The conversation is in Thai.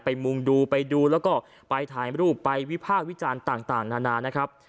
มุงดูไปดูแล้วก็ไปถ่ายรูปไปวิพากษ์วิจารณ์ต่างนานานะครับ